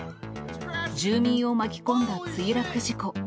住民を巻き込んだ墜落事故。